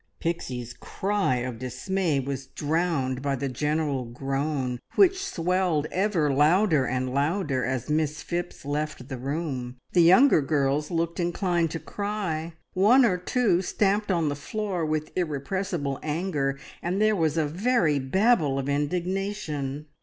Pixie's cry of dismay was drowned by the general groan, which swelled ever louder and louder as Miss Phipps left the room. The younger girls looked inclined to cry, one or two stamped on the floor with irrepressible anger, and there was a very babel of indignation.